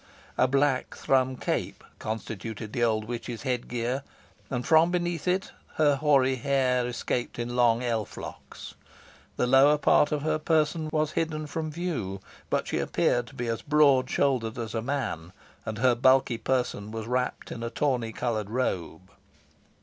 A black thrum cap constituted the old witch's head gear, and from beneath it her hoary hair escaped in long elf locks. The lower part of her person was hidden from view, but she appeared to be as broad shouldered as a man, and her bulky person was wrapped in a tawny coloured robe.